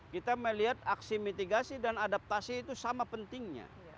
kita melihat aksi mitigasi dan adaptasi itu sama pentingnya